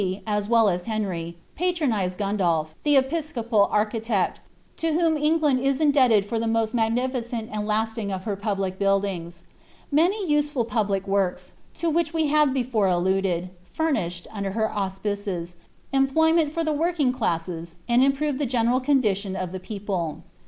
as well as Henry, patronised Gtmdulph, ibt tjaacopei architect, to whom England is indebted for the most nnigni6 cent and lasting of her public buildings. Itlany useful pubLe work*, to which we have before alluded, furnished, under her auspices, emplt^ ment for the working classes, and iniproved the general condition of ibe people.